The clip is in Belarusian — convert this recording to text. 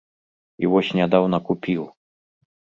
І вось нядаўна купіў.